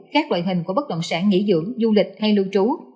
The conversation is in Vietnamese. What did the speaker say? các loại hình của bất động sản nghỉ dưỡng du lịch hay lưu trú